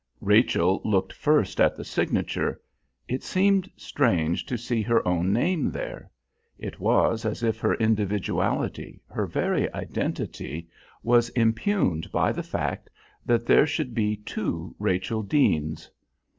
Rachel looked first at the signature. It seemed strange to see her own name there. It was as if her individuality, her very identity, was impugned by the fact that there should be two Rachel Deanes.